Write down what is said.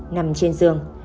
nằm trên giường